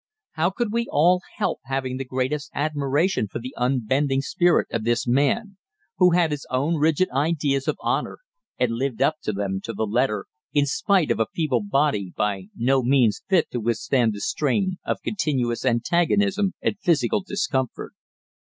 How could we all help having the greatest admiration for the unbending spirit of this man, who had his own rigid ideas of honor and lived up to them to the letter, in spite of a feeble body by no means fit to withstand the strain of continuous antagonism and physical discomfort?